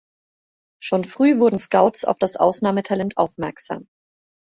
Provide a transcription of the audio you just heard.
Schon früh wurden Scouts auf das Ausnahmetalent aufmerksam.